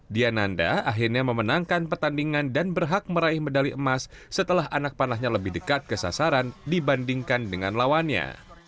diananda akhirnya memenangkan pertandingan dan berhak meraih medali emas setelah anak panahnya lebih dekat ke sasaran dibandingkan dengan lawannya